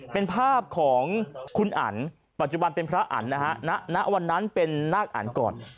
เป็นภาพของคุณอันปัจจุบันเป็นพระอันนะฮะณวันนั้นเป็นนาคอันก่อน